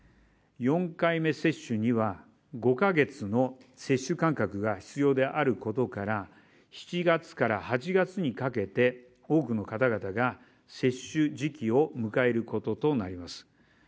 ４回目接種には５カ月の接種間隔が必要であることから、７月から８月にかけて多くの方々が接種時期を迎えることとなります。